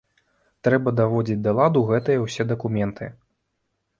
Трэба даводзіць да ладу гэтыя ўсе дакументы.